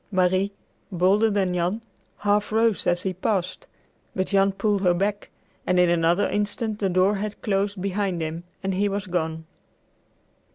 Marie, bolder than Jan, half rose as he passed, but Jan pulled her back, and in another instant the door had closed behind him and he was gone.